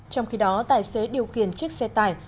trong khi đó tài xế điều khiển chiếc xe tải